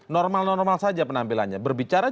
normal normal saja penampilannya berbicara